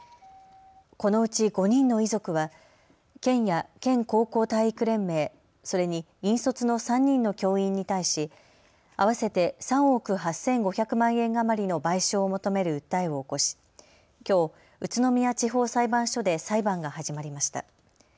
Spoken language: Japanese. このうち５人の遺族は県や県高校体育連盟それに引率の３人の教員に対し合わせて３億億８５００万円余りの賠償を求める訴えを起こしきょう宇都宮地方裁判所で裁判が始まりました。